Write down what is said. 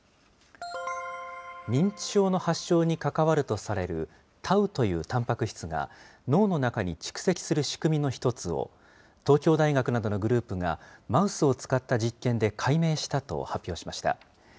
認知症の発症に関わるとされる、タウというたんぱく質が、脳の中に蓄積する仕組みの一つを東京大学などのグループが、マウスを使った実験で、解明したと発表しました。